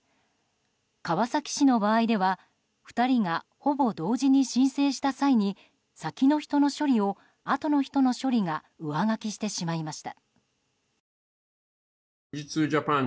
川崎市の場合では２人が、ほぼ同時に申請した際に先の人の処理をあとの人の処理が上書きしてしまいました。